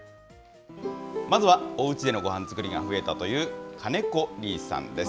まずはおうちでのごはん作りが増えたという金子李妹さんです。